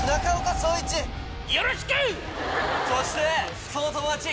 そして。